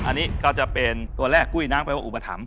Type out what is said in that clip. อันนี้ก็จะเป็นตัวแรกกุ้ยน้ำแปลว่าอุปถัมภ